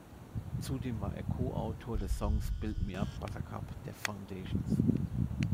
Zudem war er Co-Autor des Songs "Build Me up, Buttercup" der Foundations.